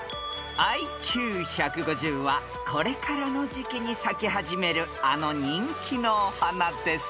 ［ＩＱ１５０はこれからの時季に咲き始めるあの人気のお花です］